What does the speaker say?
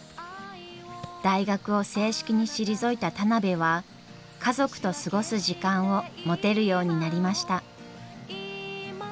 大学を正式に退いた田邊は家族と過ごす時間を持てるようになりました。